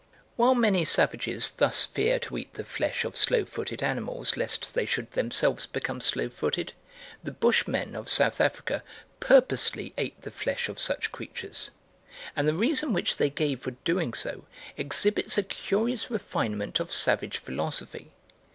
While many savages thus fear to eat the flesh of slow footed animals lest they should themselves become slow footed, the Bushmen of South Africa purposely ate the flesh of such creatures, and the reason which they gave for doing so exhibits a curious refinement of savage philosophy.